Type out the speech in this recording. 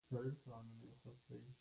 ده وویل بد نه دي.